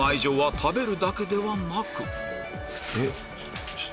えっ！